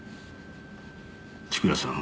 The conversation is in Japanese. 千倉さん